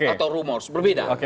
atau rumors berbeda